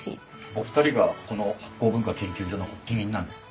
お二人がこの醗酵文化研究所の発起人なんです。